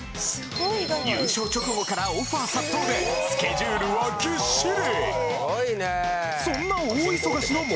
優勝直後からオファー殺到でスケジュールはぎっしり！